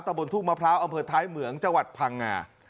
บนทุ่งมะพร้าวอำเภอท้ายเหมืองจังหวัดพังงา